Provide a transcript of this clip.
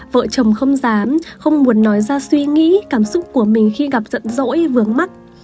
vợ chồng không dám không muốn nói ra suy nghĩ cảm xúc của mình khi gặp rận rỗi vướng mắt